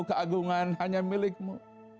keagungan hanya milikmu